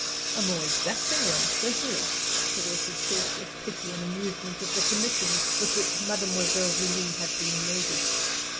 A more exacting one, certainly. Sir Wilfrid thought with pity and amusement of the commissions with which Mademoiselle Julie had been loaded.